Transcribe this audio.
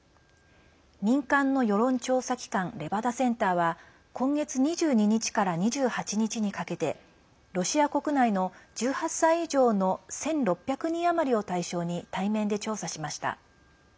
民間の世論調査機関レバダセンターは今月２２日から２８日にかけてロシア国内の１８歳以上の１６００人余りを対象に対面で調査しました。